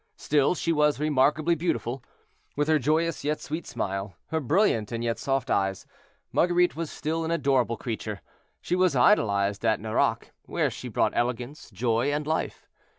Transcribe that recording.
Still she was remarkably beautiful. With her joyous yet sweet smile, her brilliant and yet soft eyes, Marguerite was still an adorable creature. She was idolized at Nerac, where she brought elegance, joy, and life.